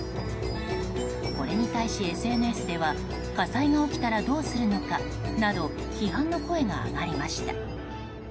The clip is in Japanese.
これに対しＳＮＳでは火災が起きたらどうするのかなど批判の声が上がりました。